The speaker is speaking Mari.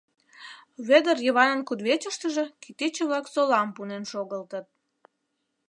Вӧдыр Йыванын кудывечыштыже кӱтӱчӧ-влак солам пунен шогылтыт.